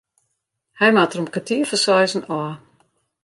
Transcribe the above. Hy moat der om kertier foar seizen ôf.